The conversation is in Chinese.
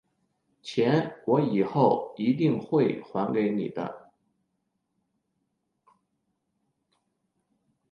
钱我以后一定会还你的